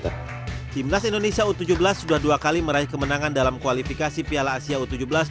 timnas indonesia u tujuh belas sudah dua kali meraih kemenangan dalam kualifikasi piala asia u tujuh belas dua ribu dua puluh tiga